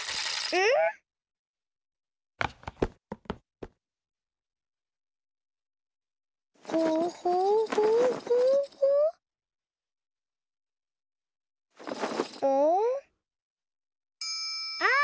うん？あっ！